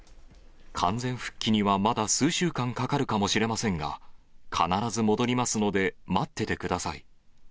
完全復帰にはまだ数週間かかるかもしれませんが、必ず戻りますので、待っててください。